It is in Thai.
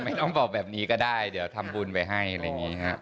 ไม่ต้องบอกแบบนี้ก็ได้เดี๋ยวทำบุญไปให้อะไรอย่างนี้ฮะ